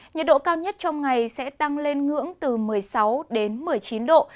nhiệt độ cao nhất trong ngày sẽ tăng lên ngưỡng từ một mươi sáu đến một mươi chín độ